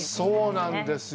そうなんですよ。